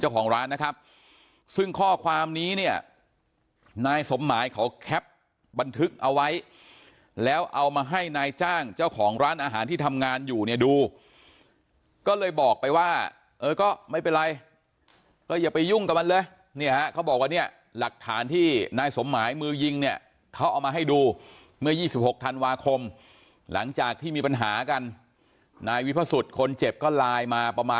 เจ้าของร้านนะครับซึ่งข้อความนี้เนี่ยนายสมหมายเขาแคปบันทึกเอาไว้แล้วเอามาให้นายจ้างเจ้าของร้านอาหารที่ทำงานอยู่เนี่ยดูก็เลยบอกไปว่าเออก็ไม่เป็นไรก็อย่าไปยุ่งกับมันเลยเนี่ยฮะเขาบอกว่าเนี่ยหลักฐานที่นายสมหมายมือยิงเนี่ยเขาเอามาให้ดูเมื่อ๒๖ธันวาคมหลังจากที่มีปัญหากันนายวิพสุทธิ์คนเจ็บก็ไลน์มาประมาณ